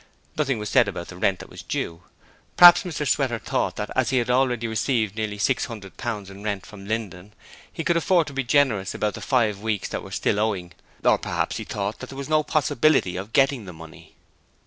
Nothing was said about the rent that was due. Perhaps Mr Sweater thought that as he had already received nearly six hundred pounds in rent from Linden he could afford to be generous about the five weeks that were still owing or perhaps he thought there was no possibility of getting the money.